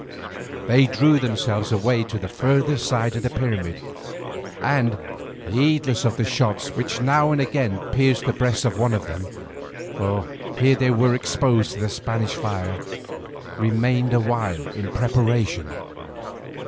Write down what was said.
They drew themselves away to the further side of the pyramid, and, heedless of the shots which now and again pierced the breast of one of them—for here they were exposed to the Spanish fire—remained a while in preparation.